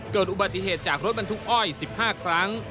เกิดอุบัติเหตุจากรถบรรทุกอ้อย๑๕ครั้ง